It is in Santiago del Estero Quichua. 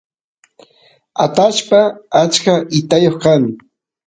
atashpa achka itayoq kan